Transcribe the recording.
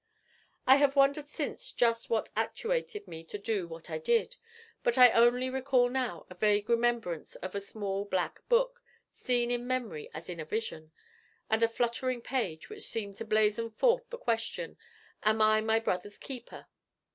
I have wondered since just what actuated me to do what I did; but I only recall now a vague remembrance of a small black book, seen in memory as in a vision, and a fluttering page which seemed to blazon forth the question, 'Am I my brother's keeper?'